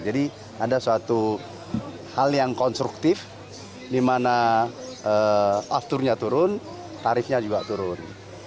jadi ada suatu hal yang konstruktif di mana afturnya turun tarifnya juga turun